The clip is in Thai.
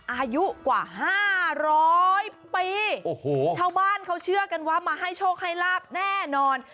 อายุกว่าห้าร้อยปีโอ้โหชาวบ้านเขาเชื่อกันว่ามาให้โชคให้ลาบแน่นอน